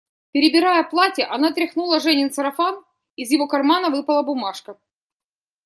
Перебирая платья, она тряхнула Женин сарафан, из его кармана выпала бумажка.